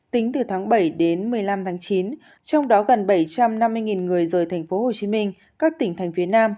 tính từ tháng bảy đến một mươi năm tháng chín trong đó gần bảy trăm năm mươi người rời tp hcm các tỉnh thành phía nam